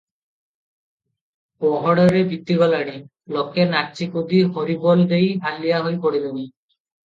ପହରେ ବିତି ଗଲାଣି, ଲୋକେ ନାଚି କୁଦି ହରିବୋଲ ଦେଇ ହାଲିଆ ହୋଇ ପଡିଲେଣି ।